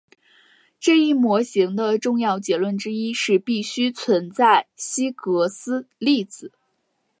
这一模型的重要结论之一是必须存在希格斯粒子。